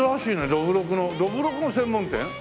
どぶろくの専門店？